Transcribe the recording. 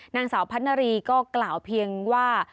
นางสาวพัฒนารีก็กล่าวเพียงว่า